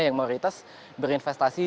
yang mayoritas berinvestasi